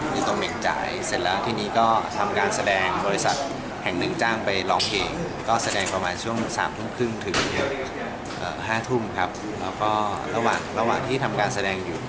ในตรงเหม็งใจเสร็จแล้วที่นี้ก็ทำการแสดงบริษัทแห่งนึง